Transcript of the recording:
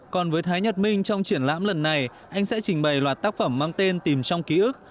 còn với thái nhật minh trong triển lãm lần này anh sẽ trình bày loạt tác phẩm mang tên tìm trong ký ức